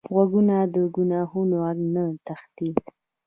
غوږونه د ګناهونو غږ نه تښتي